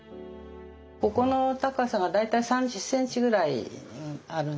ここの高さが大体３０センチぐらいあるんです。